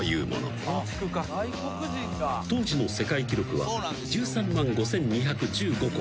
［当時の世界記録は１３万５，２１５個］